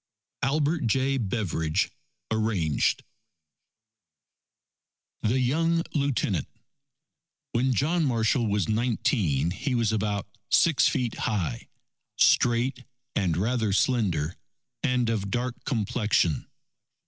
Albert J. Beveridge (Arranged) THE YOUNG LIEUTENANT When John Marshall was nineteen, he was about six feet high, straight, and rather slender, and of dark complexion.